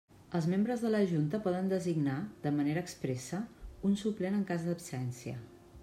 Els membres de la Junta poden designar, de manera expressa, un suplent en cas d'absència.